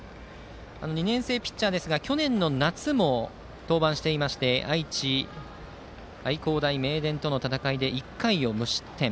２年生ピッチャーですが去年の夏も登板していまして愛知の愛工大名電との戦いで１回を無失点。